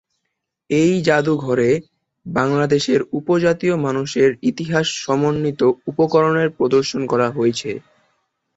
এই জাদুঘরে বাংলাদেশের উপজাতীয় মানুষের ইতিহাস সমন্বিত উপকরণের প্রদর্শন করা হয়েছে।